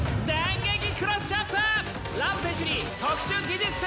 ラム選手に特殊技術点！